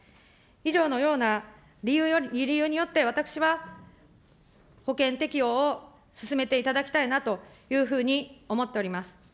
以上のような理由によって、私は保険適用を進めていただきたいなというふうに思っております。